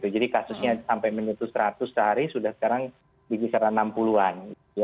jadi kasusnya sampai menutup seratus sehari sudah sekarang di kisaran enam puluh an